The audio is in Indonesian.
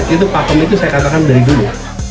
itu pakem itu saya katakan dari dulu